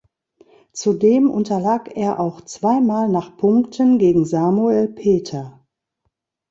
Zudem unterlag er auch zweimal nach Punkten gegen Samuel Peter.